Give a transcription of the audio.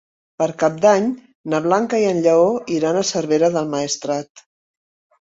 Per Cap d'Any na Blanca i en Lleó iran a Cervera del Maestrat.